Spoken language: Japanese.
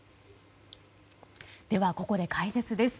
ではここで解説です。